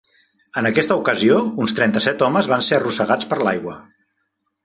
En aquesta ocasió, uns trenta-set homes van ser arrossegats per l'aigua.